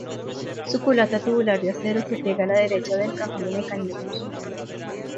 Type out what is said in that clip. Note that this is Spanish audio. Su culata tubular de acero se pliega a la derecha del cajón de mecanismos.